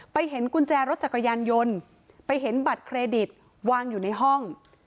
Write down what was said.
เห็นกุญแจรถจักรยานยนต์ไปเห็นบัตรเครดิตวางอยู่ในห้อง